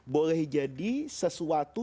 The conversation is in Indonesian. boleh jadi sesuatu